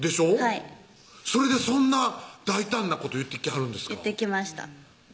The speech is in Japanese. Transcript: はいそれでそんな大胆なこと言ってきはるんですか言ってきました